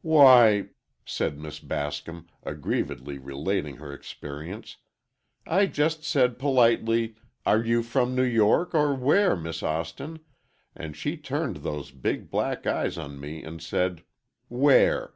"Why," said Miss Bascom, aggrievedly relating her experience, "I just said, politely, 'Are you from New York or where, Miss Austin?' and she turned those big, black eyes on me, and said, 'Where.